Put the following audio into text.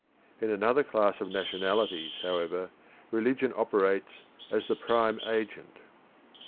In another class of nationalities, however, religion operates as the prime agent.